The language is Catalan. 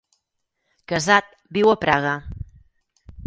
Casat, viu a Praga.